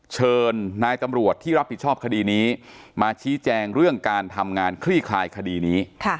เชิญนายตำรวจที่รับผิดชอบคดีนี้มาชี้แจงเรื่องการทำงานคลี่คลายคดีนี้